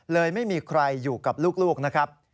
เลยไม่มีใครอยู่กับลูกนะครับ